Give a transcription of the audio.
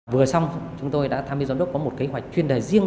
vừa xong chúng tôi đã tham gia giám đốc có một kế hoạch chuyên đề riêng